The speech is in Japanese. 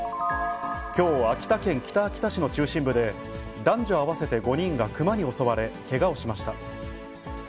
きょう、秋田県北秋田市の中心部で、男女合わせて５人がクマに襲われ、けがをしました。